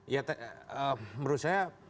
ya menurut saya